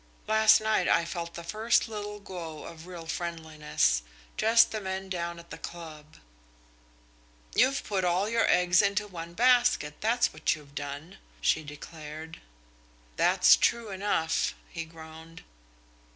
Last night I felt the first little glow of real friendliness just the men down at the club." "You've put all your eggs into one basket, that's what you've done," she declared. "That's true enough," he groaned.